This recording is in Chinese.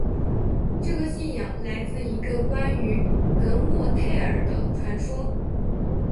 这个信仰来自一个关于得墨忒耳的传说。